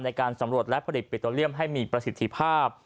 ในการสำรวจและผลิตปิโตเรียมให้มีประสิทธิภาพ